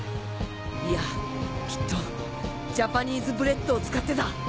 いやきっとジャパニーズブレットを使ってだ！